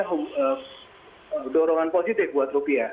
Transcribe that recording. itu dorongan positif buat rupiah